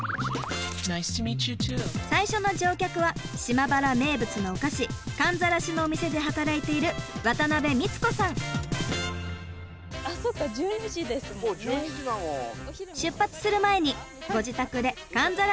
最初の乗客は島原名物のお菓子かんざらしのお店で働いている出発する前にご自宅でかんざらしを見せて頂きましょう。